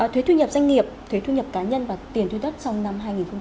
thuế thu nhập doanh nghiệp thuế thu nhập cá nhân và tiền thuê đất trong năm hai nghìn hai mươi